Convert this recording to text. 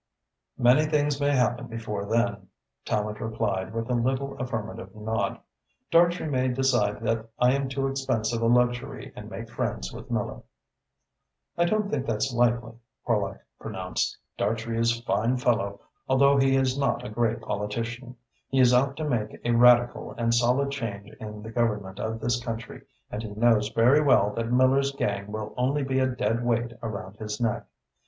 "Many things may happen before then," Tallente replied, with a little affirmative nod. "Dartrey may decide that I am too expensive a luxury and make friends with Miller." "I don't think that's likely," Horlock pronounced. "Dartrey is a fine fellow, although he is not a great politician. He is out to make a radical and solid change in the government of this country and he knows very well that Miller's gang will only be a dead weight around his neck.